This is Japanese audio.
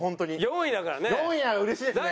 ４位ならうれしいですね。